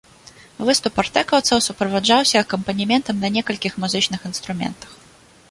Выступ артэкаўцаў суправаджаўся акампанементам на некалькіх музычных інструментах.